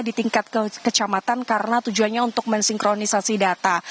di tingkat kecamatan karena tujuannya untuk mensinkronisasi data